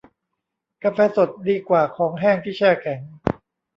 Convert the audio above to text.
กาแฟสดดีกว่าของแห้งที่แช่แข็ง